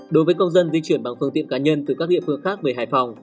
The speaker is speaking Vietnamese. đối với công dân di chuyển bằng phương tiện cá nhân từ các địa phương khác về hải phòng